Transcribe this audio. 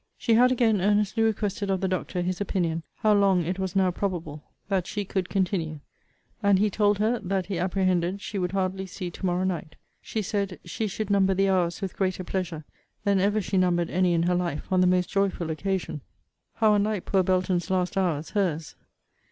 She had again earnestly requested of the doctor his opinion how long it was now probable that she could continue; and he told her, that he apprehended she would hardly see to morrow night. She said, she should number the hours with greater pleasure than ever she numbered any in her life on the most joyful occasion. How unlike poor Belton's last hours her's!